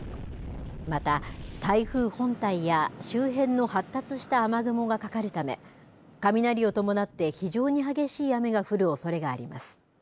また、台風本体や周辺の発達した雨雲がかかるため、雷を伴って非常に激しい雨が降るおそれがあります。